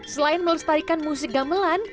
selain melestarikan musik gamelan